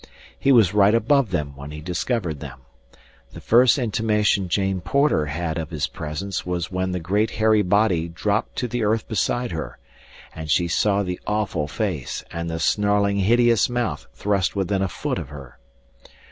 He was right above them when he discovered them. The first intimation Jane Porter had of his presence was when the great hairy body dropped to the earth beside her, and she saw the awful face and the snarling, hideous mouth thrust within a foot of her.